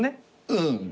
うん。